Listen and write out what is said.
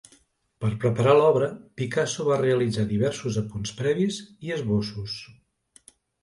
Per preparar l'obra, Picasso va realitzar diversos apunts previs i esbossos.